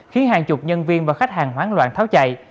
khiến hàng chục nhân viên và khách hàng hoán loạn tháo chạy